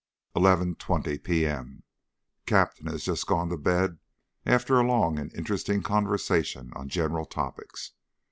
11.20 P.M. Captain just gone to bed after a long and interesting conversation on general topics.